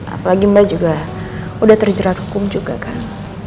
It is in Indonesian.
apalagi mbak juga udah terjerat hukum juga kan